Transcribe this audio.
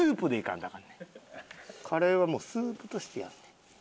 カレーはもうスープとしてやるねん。